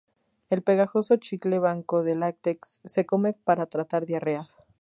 El pegajoso chicle blanco de látex se come para tratar diarreas.